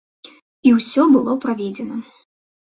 І ўсё было праведзена.